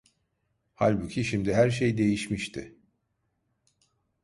Halbuki şimdi her şey değişmişti.